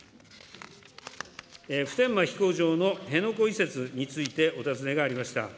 普天間飛行場の辺野古移設について、お尋ねがありました。